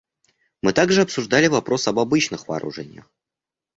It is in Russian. Мы также обсуждали вопрос об обычных вооружениях.